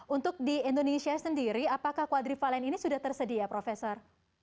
untuk di indonesia sendiri apakah kuadrivalen ini sudah tersedia profesor